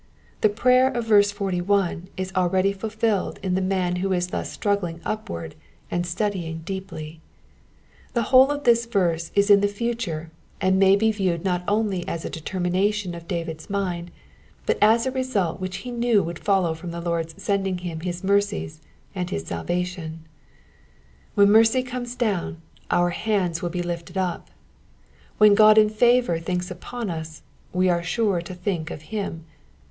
The prayer of verse 41 is already fulfilled in the man who is thus struggling upward and studying deeply. The whole of this verse is in the future, and may be viewed not only as a determination of David's mind, but as a result which he knew would follow from the Lord's sending him his mercies and his salvation. When mercy comes down, our hands will be lifted up ; when God in favour thinks upon us, we are sure to think of him.